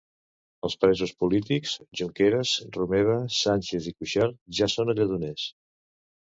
Els presos polítics Junqueras, Romeva, Sánchez i Cuixart ja són a Lledoners.